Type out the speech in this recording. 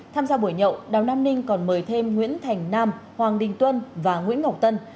tham gia buổi nhậu đào nam ninh còn mời thêm nguyễn thành nam hoàng đình tuân và nguyễn ngọc tân